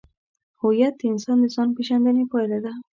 هویت د انسان د ځانپېژندنې پایله ده.